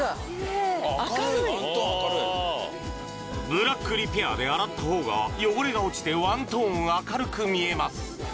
・明るいワントーン明るいブラックリペアで洗ったほうが汚れが落ちてワントーン明るく見えます